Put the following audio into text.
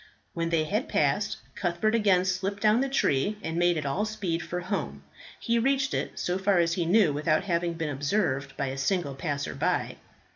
When they had passed, Cuthbert again slipped down the tree and made at all speed for home. He reached it, so far as he knew without having been observed by a single passer by.